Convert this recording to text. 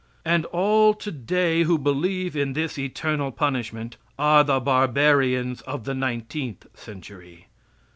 And all today who believe in this eternal punishment are the barbarians of the nineteenth century.